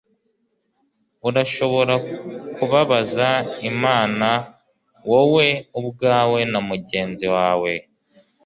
Urashobora kubabaza Imana wowe ubwawe na mugenzi wawe